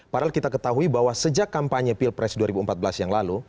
padahal kita ketahui bahwa sejak kampanye pilpres dua ribu empat belas yang lalu